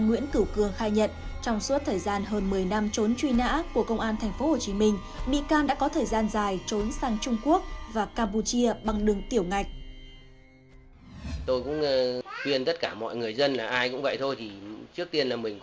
nguyễn cửu cường khai nhận trong suốt thời gian hơn một mươi năm trốn truy nã của công an thành phố hồ chí minh bị can đã có thời gian dài trốn sang trung quốc và campuchia bằng đường tiểu ngạch